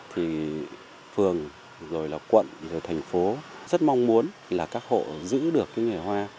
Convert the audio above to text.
thì phường rồi là quận rồi thành phố rất mong muốn là các hộ giữ được cái nghề hoa